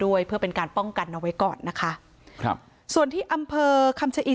ด้วยเพื่อเป็นการป้องกันเอาไว้ก่อนนะคะครับส่วนที่อำเภอคำชะอี